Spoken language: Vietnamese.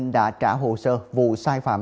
đã trả hồ sơ vụ sai phạm